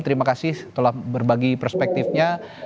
terima kasih telah berbagi perspektifnya